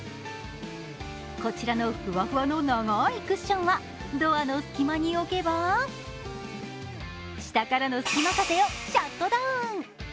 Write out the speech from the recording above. こちらのふわふわの長いクッションはドアの隙間に置けば、下からの隙間風をシャットダウン。